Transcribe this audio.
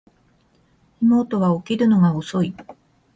妹は起きるのが遅い